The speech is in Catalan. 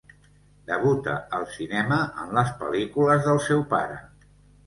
Debuta al cinema en les pel·lícules del seu pare.